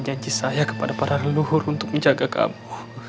janji saya kepada para leluhur untuk menjaga kamu